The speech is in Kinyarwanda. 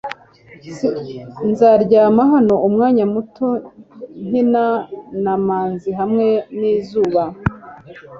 Nzaryama hano umwanya muto nkina namazi hamwe nizuba